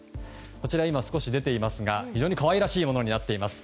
こちら、今少し出ていますが非常に可愛らしいものになっています。